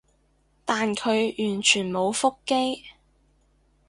但佢完全冇覆機